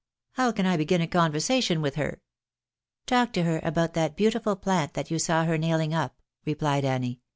How can I begin a conversation with her ?"" Talk to her about that beautiful plant that you saw her nailing up," replied Annie.